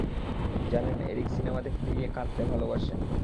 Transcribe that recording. জানেন, Eric cinema দেখতে গিয়ে কাঁদতে ভালোবাসে।